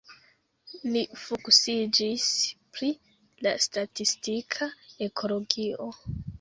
Li fokusiĝis pri la statistika ekologio.